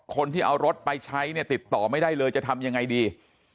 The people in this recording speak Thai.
คนที่เอารถไปใช้เนี่ยติดต่อไม่ได้เลยจะทำยังไงดี